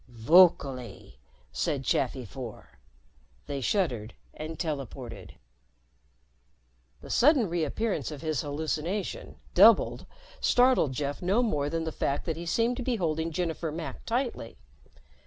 "Vocally," said Chafi Four. They shuddered and teleported. The sudden reappearance of his hallucination doubled startled Jeff no more than the fact that he seemed to be holding Jennifer Mack tightly.